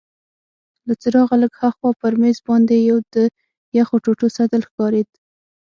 له څراغه لږ هاخوا پر مېز باندي یو د یخو ټوټو سطل ښکارید.